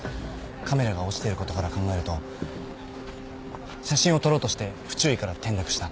カメラが落ちてることから考えると写真を撮ろうとして不注意から転落した。